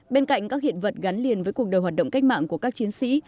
bên cạnh các hiện vật gắn liền với cuộc đời hoạt động cách mạng của các chiến sĩ